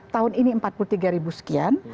tahun ini empat puluh tiga ribu sekian